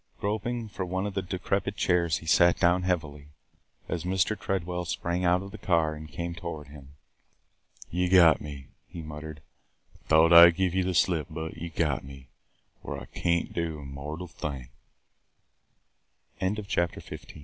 Groping for one of the decrepit chairs he sat down heavily, as Mr. Tredwell sprang out of the car and came toward him. "You got me!" he muttered. "I thought I 'd give you the slip but – you got me – where I can't do a mortal th